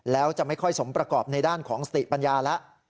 แล้วจะไม่ค่อยสมประกอบในด้านของสติปัญญาแล้ว